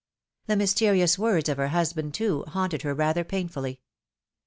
The mysterioxis words of her husband, too, haunted her rather pain fully.